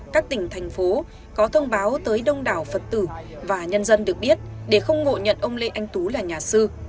các tỉnh thành phố có thông báo tới đông đảo phật tử và nhân dân được biết để không ngộ nhận ông lê anh tú là nhà sư